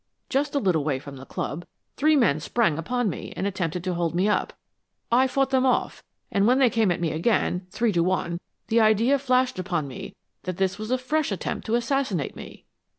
Just a little way from the club, three men sprang upon me and attempted to hold me up. I fought them off, and when they came at me again, three to one, the idea flashed upon me that this was a fresh attempt to assassinate me.